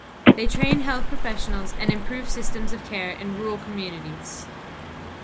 They train health professionals and improve systems of care in rural communities.